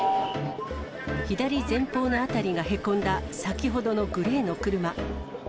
左前方の辺りがへこんだ先ほどのグレーの車。